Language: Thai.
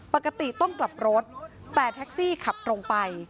ปกติต้องกลับรถแต่แท็กซี่ขับตรงไป